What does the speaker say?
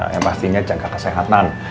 yang pastinya jaga kesehatan